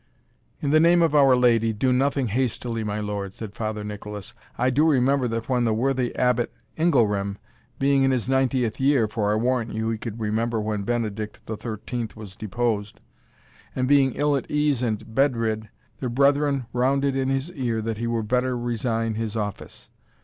"In the name of Our Lady, do nothing hastily, my lord!" said Father Nicholas "I do remember that when the worthy Abbot Ingelram, being in his ninetieth year for I warrant you he could remember when Benedict the Thirteenth was deposed and being ill at ease and bed rid, the brethren rounded in his ear that he were better resign his office.